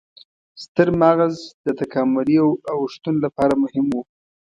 ستر مغز د تکاملي اوښتون لپاره مهم و.